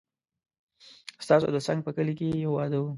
ستاسو د څنګ په کلي کې يو واده و